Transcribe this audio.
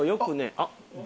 あっ。